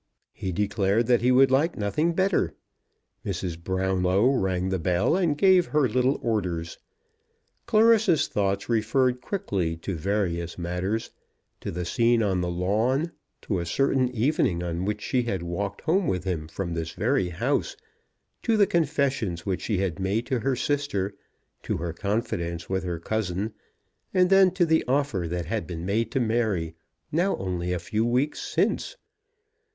He declared that he would like nothing better. Mrs. Brownlow rang the bell, and gave her little orders. Clarissa's thoughts referred quickly to various matters, to the scene on the lawn, to a certain evening on which she had walked home with him from this very house, to the confessions which she had made to her sister, to her confidence with her cousin; and then to the offer that had been made to Mary, now only a few weeks since.